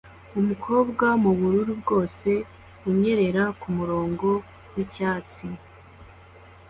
Umukobwa mubururu bwose anyerera kumurongo wicyatsi